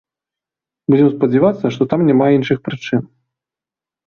Будзем спадзявацца, што там няма іншых прычын.